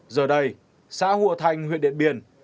giờ đây xã hùa thành huyện điện biên